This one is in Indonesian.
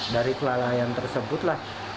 dari kelalaian tersebut lah